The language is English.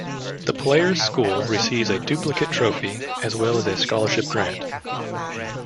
The player's school receives a duplicate trophy, as well as a scholarship grant.